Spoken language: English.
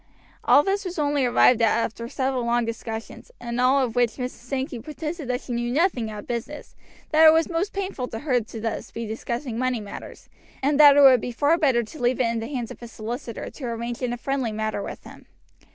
All this was only arrived at after several long discussions, in all of which Mrs. Sankey protested that she knew nothing of business, that it was most painful to her to be thus discussing money matters, and that it would be far better to leave it in the hands of a solicitor to arrange in a friendly manner with him.